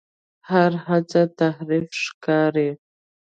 هر هڅه تحریف ښکاري.